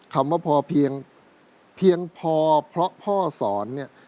คำว่าเพียงพอเพราะพ่อสอนเนี่ย